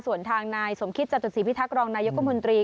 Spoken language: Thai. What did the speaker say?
ส่วนทางนายสมคิตจัดตัดสีพิทักรองนายกมนตรี